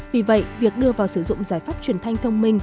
vì vậy việc đưa vào sử dụng giải pháp truyền thanh thông minh